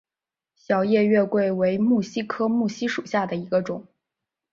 小叶月桂为木犀科木犀属下的一个种。